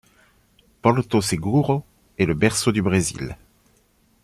Porto Seguro est le berceau du Brésil.